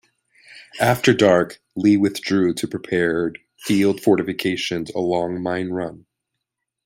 After dark, Lee withdrew to prepared field fortifications along Mine Run.